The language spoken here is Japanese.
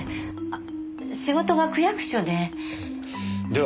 あ仕事が区役所で。